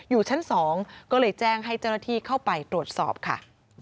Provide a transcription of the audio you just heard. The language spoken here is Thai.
อยู่ชั้น๒ก็เลยแจ้งให้เจ้าหน้าที่เข้าไปตรวจสอบค่ะ